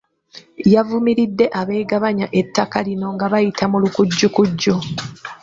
Yavumiridde abeegabanya ettaka lino nga bayita mu lukujjukujju.